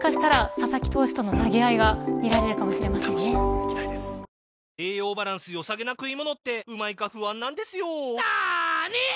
すでに、１０月の栄養バランス良さげな食い物ってうまいか不安なんですよなに！？